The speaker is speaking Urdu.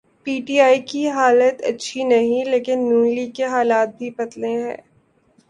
پی ٹی آئی کی حالت اچھی نہیں لیکن نون لیگ کے حالات بھی پتلے ہیں۔